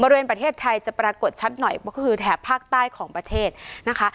ประเทศไทยจะปรากฏชัดหน่อยก็คือแถบภาคใต้ของประเทศนะคะ